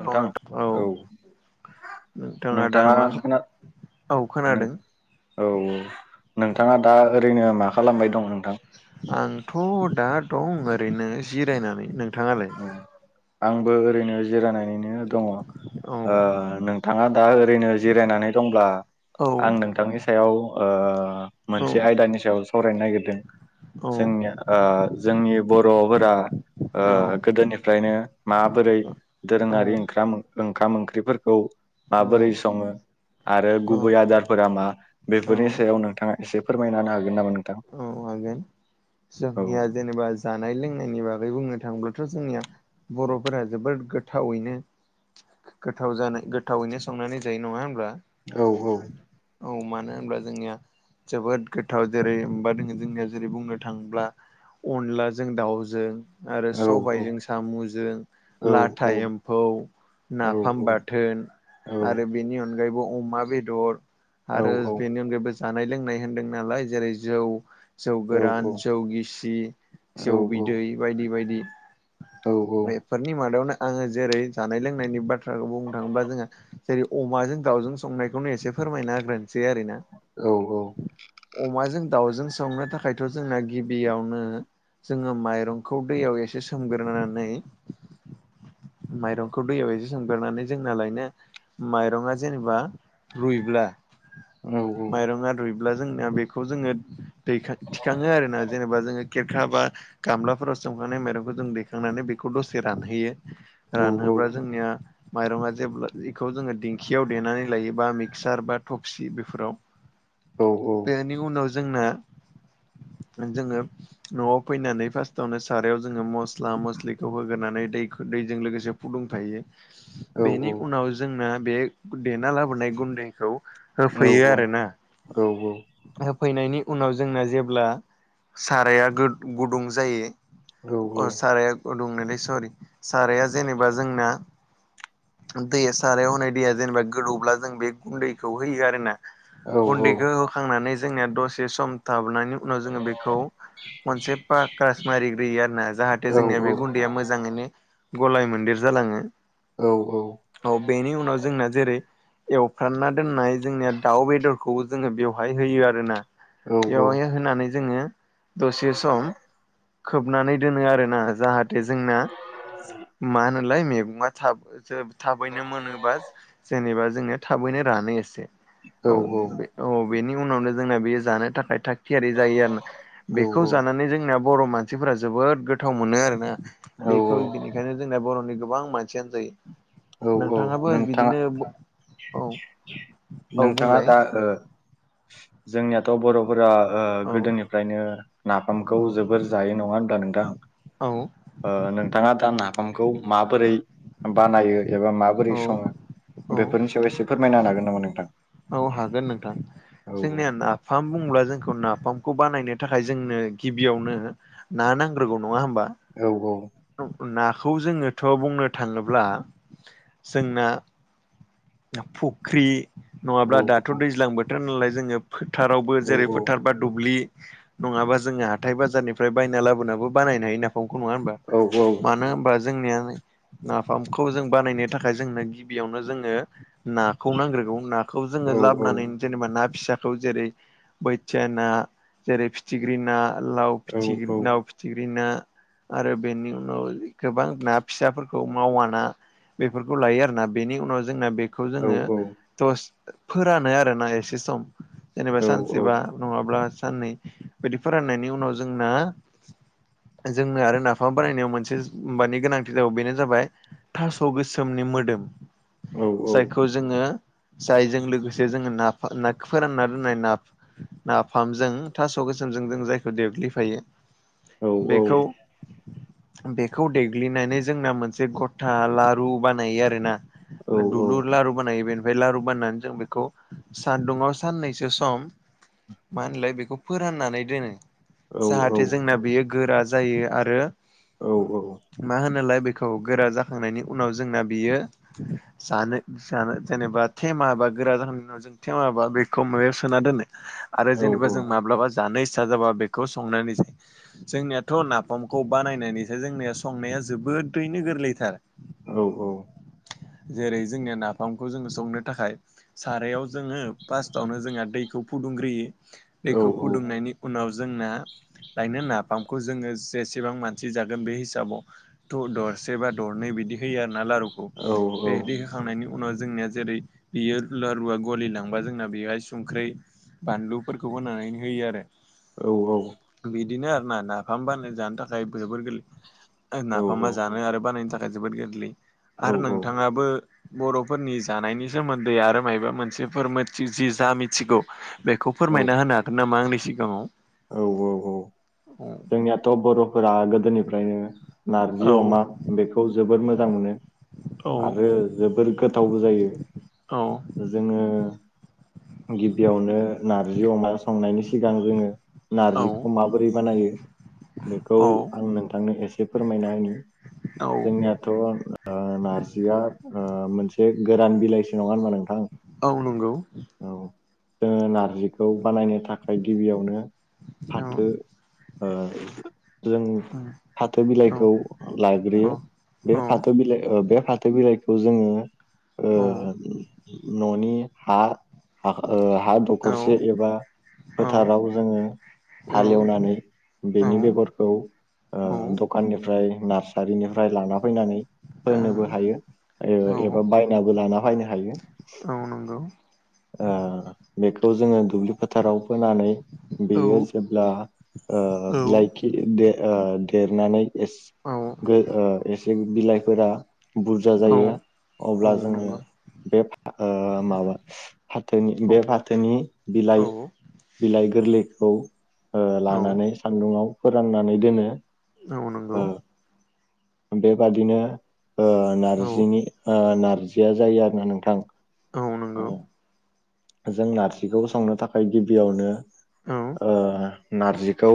नोंथां औ नोंथांआ दा नोंथाङा मा खोना औ नों खोनादों। औ औ नोंथाङा दा ओरैनो मा खालामबाय दं नोंथां? आंथ' दा दं ओरैनो जिरायनानै। नोंथाङालाय? आंबो ओरैनो जिरायनानैनो दङ। औ ओ नोंथाङा दा ओरैनो जिरायनानै दंब्ला औ आं नोंथांनि सायाव ओ औ मोनसे आयदानि सायाव सावरायनो नागिरदों औ जोंनिया ओ जोंनि बर'बोरा ओ गोदोनिफ्रायनो माबोरै दोरोङारि औ ओंख्राम ओंख्रिफोरखौ माबोरै सङो आरो औ गुबै आदार फोरा मा औ बेफोरनि सायाव नोंथाङा एसे फोरमायना होनो हागोन नामा नों औ हागोन जोंनिया जेनेबा जानाय लोंनायनि बागै बुंनो थाङोब्लाथ' जोंनिया बर'फोरा जोबद गोथावैनो गोथाव जानाय गोथावैनो संनानै जायो नङा होनब्ला। औ औ औ मानो होनब्ला जोंनिया जोबोद गोथाव जेरै ओमबा दोङो जोंनिया जेरै बुंनो थांब्ला अनलाजों दाउजों आरो औ सबायजों सामुजों, औ लाथा एम्फौ औ नाफाम बाथोन औ आरो बेनि अनगायैबो अमा बेदर। औ आरो बेनि अनगायैबो जानाय लोंनाय होन्दों नालाय जेरै जौ जौ औ गोरान जौ गिसि जौ औ बिदै बायदि बायदि। औ औ बेफोरनि मादायावनो आङो जेरै जानाय लोंनायनि बाथ्राखौ बुंनो थाङोब्ला जोङो जेरै अमाजों दाउजों संनायखौनो एसे फोरमायना हाग्रोनोसै आरो ना। औ औ अमाजों दाउजों संनो थाखायथ' जोंना गिबियावनो जोङो माइरंखौ दैयाव एसे सोमग्रोनानै माइरंखौ दैयाव एसे सोमग्रोनानै जोंनालायनो माइरङा जेनेबा रुइब्ला औ माइरं रुइब्ला जोंनिया बेखौ जोङो दैखां थिखाङो आरोना जेनेबा जोङो खेरखा बा गामलाफोराव सोमखांनाय माइरंखौ जों दैखांनानै बेखौ दसे रानहोयो। रानहोब्ला जोंनिया माइरङा जेब्ला बेखौ जोङो दिंखियाव देनानै लायो बा मिक्सार बा थफसि बेफोराव औ औ बेनि उनाव जोंना जोङो न'आव फैनानै फार्स्टआवनो सारायाव जोङो मस्ला मस्लिखौ होग्रोनानै दै दैजों लोगोसे फुदुंखायो। बेनि उनाव जोंना बे देना लाबोनाय गुन्दैखौ होफैयो आरोना। औ औ फैनायनि उनाव जोंना जेब्ला साराया गुदुं जायो। अ' साराया गुदुंनोलै सरि साराया जेनेबा जोंना दैया सारायाव होनाय दैया जेनेबा गोदौब्ला जों बे गुन्दैखौ होयो आरो ना। गुन्दैखौ होखांनानै जोंनिया दसे सम थाहाबनानै उनाव जोङो बेखौ मोनसे [unintelligible] मारिग्रोयो आरो ना जाहाथे औ जोंनिया औ बे औ गुन्दैया मोजाङैनो गलाय मोन्देर जालाङो। औ औ औ बेनि उनाव जोंना जेरै एवफ्रानना दोननाय जोंनिया दाउ बेदरखौ जोङो बेवहाय होयो आ दोना औ बेवहाय होनानै जोङो दसे सम खोबनानै दोनो आरोना जाहा जोंना मा होनोलाय मैगंङा थाब जोब थाबैनो मोनोबा जेनेबा जोङो थाबैनो रानो एसे। औ बे औ बेनि उनावनो जोंना बेयो जानो थाखाय था थियारि जायो आरोना औ बेखौ जानानै जोंनिया बर' मानसिफोरा जोबोद गोथाव मोनो आरोना। औ बेखौ बेनिखायनो जोंना बर'नि गोबां मानसियानो जायो। औ औ नोंथाङाबो नोंथाङा बिदिनो औ औ नोंथाङा बुंलाय दा ओ जोंनिया थ' बर'फोरा औ गोदोनिफ्रायनो औ नाफामखौ जोबोर जायो नङा होनब्ला नोंथां? औ ओ नोंथाङा दा नाफामखौ माबोरै बानायो एबा माबोरै औ सङो औ बेफोरनि सायाव एसे फोरमायना होनो हागोन नामा नोंथां? औ हागोन नोंथां औ जोंनिया ना फाम बुङोब्ला जोंखौ नाफामखौ बानायनो थाखाय जोंनो गिबियावनो ना नांग्रोगौ नङा होमबा? औ औ नाखौ जोङोथ' बुंनो थाङोब्ला जोंना फुख्रि औ नङाब्ला दाथ' दैज्लां बोथोर नालाय जोङो फोथारावबो औ जेरै फोथार बा दुब्लि नङाबा जोङो हाथाय बाजारनिफ्राय बायना लाबोनाबो बानायनो हायो नाफामखौ नङा होमबा? औ औ। मानो होनबा जोंनिया नाफामखौ जों बानायनो थाखाय जोंनो गिबियावनो जोङो नाखौ नांग्रोगौ नाखौ औ जोङो लाबोनानै जेनेबा ना फिसा खौ जेरै बोथिया ना जेरै फिथिख्रि ना लाव औ फिथिख लाव फिथि फिथिग्रि ना आरो बेनि उनाव गोबां ना फिसाफोरखौ मावा ना बेफोरखौ लायो आरोना बेनि उनाव जोंना बे खौ औ जोङो दस फोरानो आरोना एसे सम। जेनेबा औ सानसेबा नङाब्ला साननै बिदि फोराननायनि उनाव जोंना जोंनो आरो नाफाम बानाय नायाव मोनसे माबानि गोनांथि जाब बेनो जाबाय थास' गोसोमनि मोदोम। जायखौ जोङो जायजों लोगोसे जोङो ना फा नाखौ फोरानना दोननाय ना नाफामजों थास' गोसोमजों जों जायखौ देग्लिफायो बेखौ बेखौ देग्लिनानै जोंना मोनसे गथा लारु बानायो आरो ना। औ औ। लारु बानायो बेनिफ्राय लारु बानायनानै जों बेखौ सान्दुुंआव साननैसो सम मा होनलाय बेखौ फोराननानै दोनो जाहाथे जोंना बेयो गोरा जायो आरो औ औ। मा होनोलाय बेखौ गोरा जाखांनायनि उनाव जोंना बियो जानो जानो जेनेबब थेमा बा गोरा जाहोन थेमाबा बेखौ मायाव सोना दोनो आरो औ औ जेनेबा जों माब्लाबा जानो इस्सा जाबा बेखौ संनानै जा जोंनियाथ' नाफामखौ बानायनानैसो जोंनिया संनाया जोबोदैनो गोरलैथार। औ औ। जेरै जोंनिया नाफामखौ जोङो संनो थाखाय सारायाव जोङो फार्स्ट आवनो जोंहा दैखौ फुदुंग्रोयो दैखौ फुदुंनायनि उनाव जोंना लायनो नाफामखौ जोङो जेसेबां मानसि जागोन बे हिसाबाव थ दरसे बा दरनै बिदि होयो आरो ना लारुखौ। खांनायनि उनाव जोंनिया जेरै बेयो लारुवा गलि लांबा जोंना बेहाय संख्रि बानलु फोरखौ होनानै होयो आरो। औ औ। बिदिनो आरो ना नाफाम बानाय जानो थाखाय जोबोर गोरलै नाफामा जानो आरो बानायनो थाख खाय जोबोद गोरलै औ आरो नोंथाङाबो बर'फोरनि जानायनि सोमोन्दै आरो मायबा मोनसे फोर नोनथि जि जा मिथिगौ बेखौ फोरमायना होनो हागोन नामा आंनि सिगाङाव। औ औ औ। औ। जोंनियाथ' बर'फोरा गोदोनिफ्रायनो नारजि औ अमा बेखौ जोबोर मोजां मोनो। औ आरो जोबोर गोथावबो जायो। जोङो गिबियावनो नारजि अमा संनायनि सिगां जोङो औ नारजिखौ माबोरै बानायो? बेखौ औ आं नोंथांनो एसे फोरमायना होनि औ जोंनिया थ' ओ नारजिया ओ मोनसे गोरान बिलाइसो नङा होनबा नोंथां? औ नंगौ। औ जोङो नारजिखौ बानायनो थाखाय गिबियावनो औ फाथो ओ जों औ फाथो बिलाइखौ औ लाग्रोयो औ बे औ फाथो बिलाइ ओ बे फाथो बिलाइ खौ जोङो ओ न'नि हा ह हा दखरसे एबा फोथाराव जोङो औ हालेवनानै औ बेनि बेगरखौ औ दखाननिफ्राय नार्सारिनिफ्राय लाना फैनानै होननोबो हायो नंगौ एबा बायनाबो लाना बायनो हायो। बेखौ जोङो दुब्लि फोथाराव फोनानै औ बेयो जेब्ला लाइखि देरनानै औ एसे बिलाइफोरा बुरजा जायो। अब्ला औ जोङो नंगौ बे माबा फाथोनि औ बे फाथोनि औ बिलाइ बिलाइ गोरलैखौ औ लानानै सान्दुङाव फोराननानै दोनो औ नंगौ। ओ बेबादिनो औ नारजिनि नार्जिया जायो आरोना नोंथां। औ जों नारजिखौ संनो थाखाय गिबियावनो औ नारजिखौ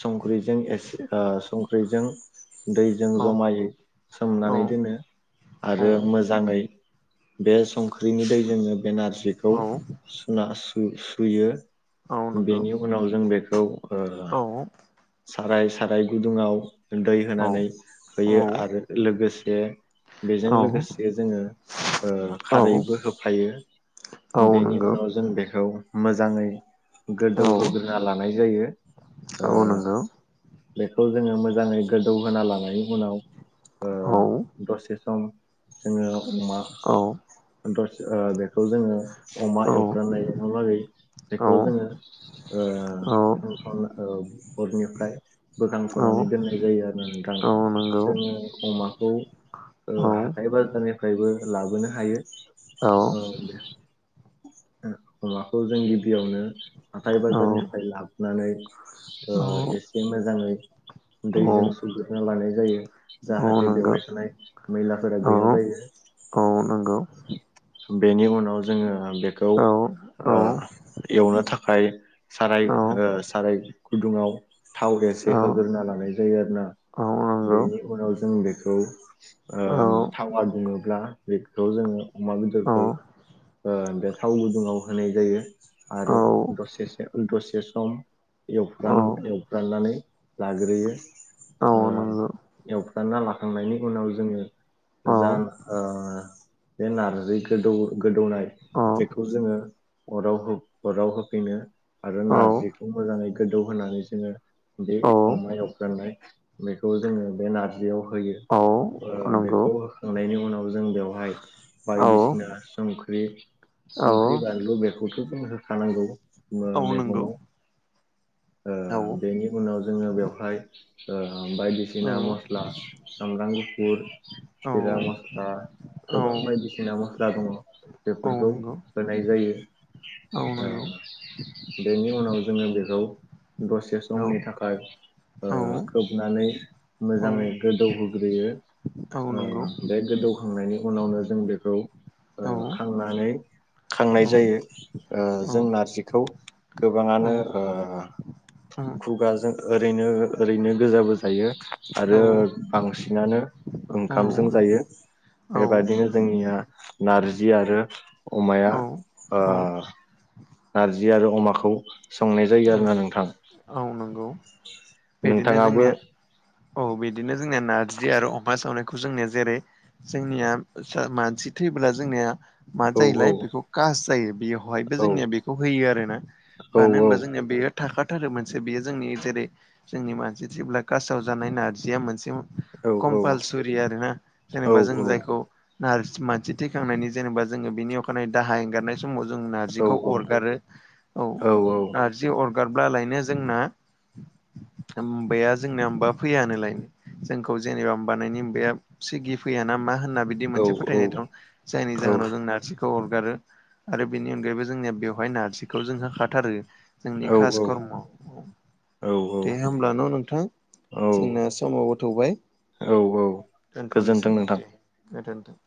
संख्रिजों एसे संख्रिजों दैजों औ जमायै औ सोमनानै दोनो औ आरो मोजाङै बे संख्रिनि दैजोंनो बे औ नारजिखौ सुना सुयो औ नंगौ बेनि उनाव जों बेखौ [unintelligible] साराय साराय गुदुङाव दै औ होनानै औ होयो आरो लोगोसे बेजों लोगोसे जोङो औ खारैबो होफायो औ बेनि नंगौ उनाव जों बेखौ मोजाङै औ गोदौहोग्रोना लानाय जायो औ नंगौ बेखौ जोङो मोजाङै गोदौहा लानायनि उनाव औ दसे सम जोङो अमा औ औ द बेखौ जोङो अमा एवफ्रनायलागै बेखौ जोङो आ नंगौ औ औ हरनिफ्राय औ बोखांथ'नानै दोननाय जायो आरो नोंथां औ नंगौ जोङो अमाखौ औ नंगौ औ हाथाय बाजारनिफ्रायबो लाबोनो हायो औ दे अमाखौ जों गिबियावनो हाथाइ औ बाजारनिफ्राय लाबोनानै एसे मोजाङै दैजों सुग्रना लानाय जायो। जाहाथे बेवाय थानाय मैलाफोरा गैया जायो। बेनि उनाव जोङो बेखौ एवनो थाखाय साराय साराय गुदुङाव थाव गसे होग्रोना लानाय जायो आरो ना। औ नंगौ बेनि उनाव जों बेखौ ओ औ थावा दुङोब्ला बेखौ जोङो अमा औ बेदरखौ ओ बे थाव गुदुङाव होनाय जायो औ आरो दसे दसे सम एवफ्रा औ एवफ्राननानै लाग्रोयो औ ओ नंगौ एवफ्राना लाखांनायनि उनाव जोङो औ जा ओ बे नारजि गोदौ गोदौनाय औ बेखौ जोङो अराव अराव होफैनो आरो औ नारजिखौ मोजाङै गोदौ होनानै जोङो बे औ अमा एवफ्रामनाय बेखौ जोङो बे नारजियाव होयो। औ ओ नंगौ बेखौ होखांनायनि उनाव जों बेवहाय औ बायदिसिना संख्रि औ संख्रि बानलु बेखौथ' जों होखानांगौ ओ औ नंगौ मैगङाव ओ औ बेनि उनाव जोङो बेवहाय ओ औ बायदिसिना मस्ला सामब्राम गुफुर औ जिरा मस्ला औ गोबां बायदिसिना मस्ला दङ औ बेफोरखौ नंगौ होनाय जायो। औ ओ नंगौ बेनि उनाव जोङो बे खौ दसे औ समनि थाखाय ओ औ खोबनानै मोजाङै औ गोदौहोग्रोयो। औ ओ नंगौ बे गोदौखांनायनि उनावनो जों बेखौ ओ औ खांनानै खांनाय औ जायो जों नारजिखौ गोबाङानो ओ [unintelligible] खुगाजों ओरैनो ओरैनो गोजाबो जायो आरो बांसिनानो ओंखामजों जायो। बेबायदिनो जोंनिया नारजि आरो अमाया ओ औ नारजि आरो अमाखौ संनाय औ जायो आरोना नोंथां नंगौ बिदिनो नोंथाङाबो जोंनिया औ बिदिनो जोंनिया नारजि आरो अमा सावनायखौ जोंनिया जेरै जोंनिया मानसि थैबोब्ला जोंनिया मा औ औ जायोलाय बेखौ कास जायो बेवहायबो औ जोंनिया बेखौ होयो आरोना औ मानो होनबा जोंना बेयो थाखाथारो मोनसे बेयो जोंनि जेरै जोंनि मानसि थेब्ला कासाव जानाय नारजिया मोनसे औ कमपालसरि आरोना औ जेनेबा जों जायखौ नारजि मानसि थैखांनायनि जेनेबा जोङो बेनि अखानायै दाहा एंगारनाय समाव जों औ नारजिखौ औ अरगारो औ नारजि जि अरगारब्लालायनो जोंना होबाया जोंनिया होनबा फैयानोलायनो जोंखौ जेनेबा बानायनिया सिगि फैया ना मा होनना बिदि मोनसे औ फोथायनाय दं जायनि जाहोनाव जों नारजि खौ अरगारो आरो बेनि अनगायैबो जोंनिया बेवहाय नारजिखौ जों होखाथारो। जोंनि खासकर्म'आव औ दे होमब्ला न' नोंथां जोंना समाबो थौबाय औ औ गोजोन्थों नोंथां गोजोन्थों